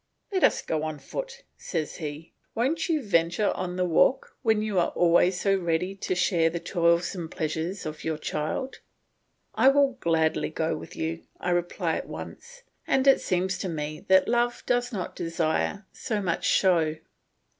"Let us go on foot," says he; "won't you venture on the walk, when you are always so ready to share the toilsome pleasures of your child?" "I will gladly go with you," I reply at once, "and it seems to me that love does not desire so much show."